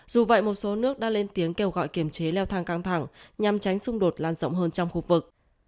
dù vậy một số nước đã lên tiếng kêu gọi kiềm chế leo thang căng thẳng nhằm tránh xung đột lan rộng hơn trong khu vực